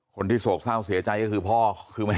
คนที่โสขเศร้าเสียใจก็คือพ่อและแม่